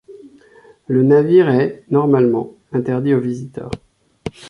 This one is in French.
Le navire est, normalement, interdit aux visiteurs.